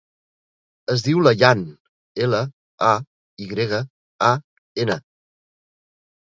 Es diu Layan: ela, a, i grega, a, ena.